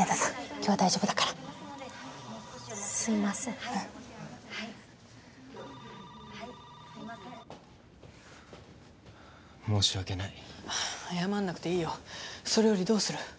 今日は大丈夫だからすいません申し訳ない謝んなくていいよそれよりどうする？